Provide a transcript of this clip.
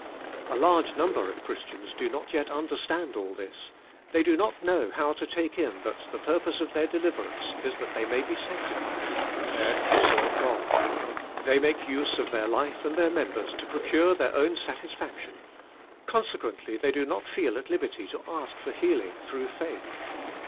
A large number of Christians do not yet understand all lliis, (ibey do not know DIVINE HEADING. how to lake in Hint the purpose of (heir deliverance is that they may be sancti tied, prepared to serve their God. They make use of their life and their members to procure llieir own satisfaction; conse quently they do not feel at liberty to ask fin healing with faith.